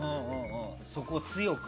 そこを強く。